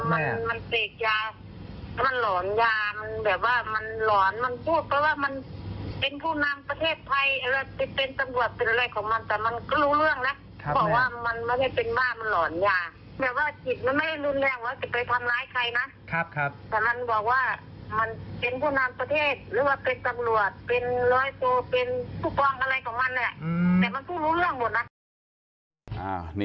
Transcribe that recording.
มันเป็นผู้นำประเทศหรือว่าเป็นตำรวจเป็นร้อยโตเป็นผู้กลางอะไรของมัน